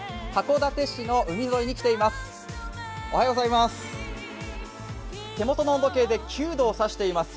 函館市の海沿いに来ています。